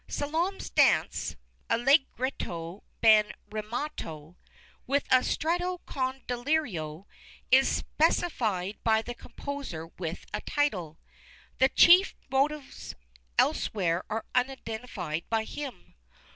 'Salome's Dance,' Allegretto ben ritmato, with a 'stretto con delirio,' is specified by the composer with a title. The chief motives elsewhere are unidentified by him.